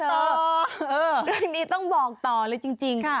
เรื่องนี้ต้องบอกต่อเลยจริง